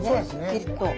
ピリッと。